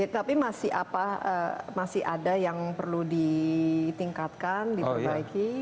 tapi masih ada yang perlu ditingkatkan diperbaiki